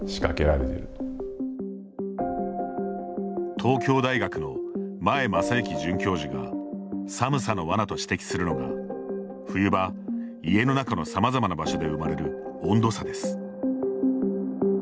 東京大学の前真之准教授が寒さのわなと指摘するのが冬場、家の中のさまざまな場所で生まれる温度差です。